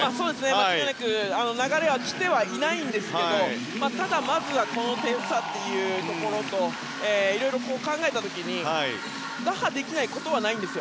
間違いなく流れは来ていないんですけどもただ、まずはこの点差というところをいろいろ考えた時に打破できないことはないんです。